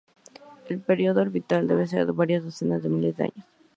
El período orbital debe ser de varias decenas de miles de años.